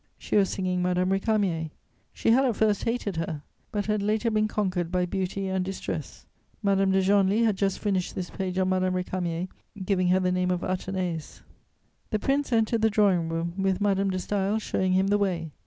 She was singing Madame Récamier. She had at first hated her, but had later been conquered by beauty and distress. Madame de Genlis had just finished this page on Madame Récamier, giving her the name of Athenais: [Sidenote: Prince Augustus of Prussia.] "The Prince entered the drawing room, with Madame de Staël showing him the way.